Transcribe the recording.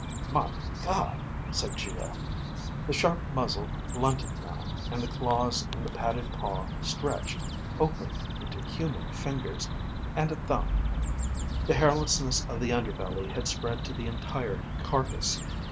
"My God," said Geo. The sharp muzzle blunted now and the claws in the padded paw stretched, opened into human fingers and a thumb. The hairlessness of the under belly had spread to the entire carcass.